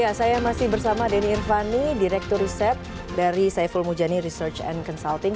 ya saya masih bersama denny irvani direktur riset dari saiful mujani research and consulting